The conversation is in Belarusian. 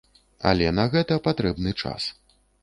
Але на гэта патрэбны час.